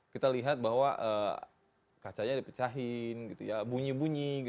kita lihat bahwa kacanya dipecahin bunyi bunyi